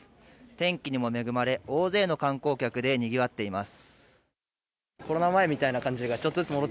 天気にも恵まれ、大勢の観光客でにぎわっています。